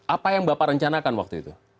apa yang bapak rencanakan waktu itu